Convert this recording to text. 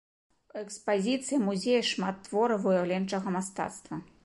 У экспазіцыі музея шмат твораў выяўленчага мастацтва.